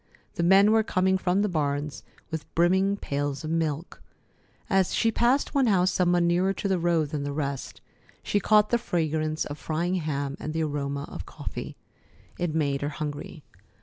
The men were coming from the barns with brimming pails of milk. As she passed one house somewhat nearer to the road than the rest, she caught the fragrance of frying ham and the aroma of coffee. It made her hungry.